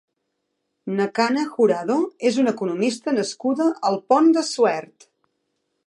Nekane Jurado és una economista nascuda al Pont de Suert.